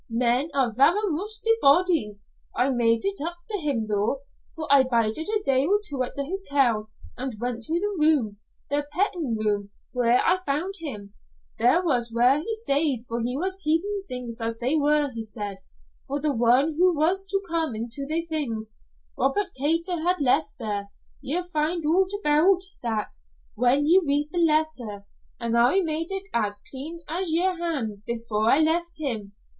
Men are vera masterfu' bodies. I made it up to him though, for I bided a day or twa at the hotel, an' went to the room, the pentin' room whaur I found him there was whaur he stayed, for he was keepin' things as they were, he said, for the one who was to come into they things Robert Kater had left there ye'll find oot aboot them whan ye read the letter an' I made it as clean as ye'r han' before I left him.